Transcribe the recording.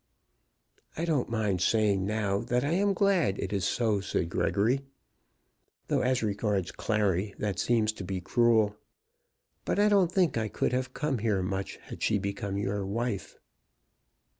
"I don't mind saying now that I am glad it is so," said Gregory; "though as regards Clary that seems to be cruel. But I don't think I could have come much here had she become your wife."